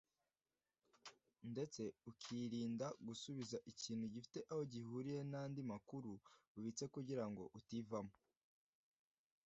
ndetse ukirinda gusubiza ikintu gifite aho gihuriye n’andi makuru ubitse kugira ngo utivamo